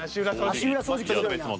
足裏掃除機強いな。